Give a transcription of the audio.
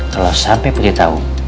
kalau sampai putri tau